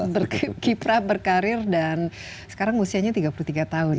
berkiprah berkarir dan sekarang usianya tiga puluh tiga tahun